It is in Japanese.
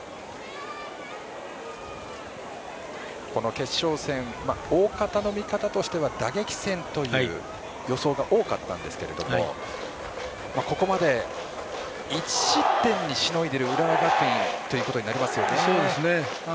決勝戦、大方の見方としては打撃戦という予想が多かったんですがここまで１失点にしのいでいる浦和学院ということになります。